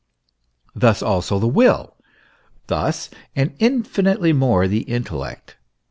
Thus also the will; thus, and infinitely more, the intellect.